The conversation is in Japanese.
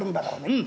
うん。